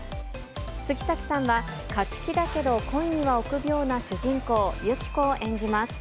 杉咲さんは、勝ち気だけど恋には臆病な主人公、ユキコを演じます。